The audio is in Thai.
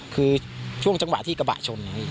คือช่วงจังหวะที่กระบะชน